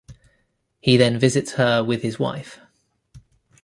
He then visits her with his wife.